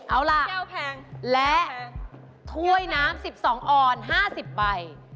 เอาล่ะแก้วแพงและถ้วยน้ำ๑๒ออน๕๐ใบ